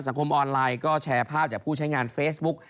คมออนไลน์ก็แชร์ภาพจากผู้ใช้งานเฟซบุ๊ก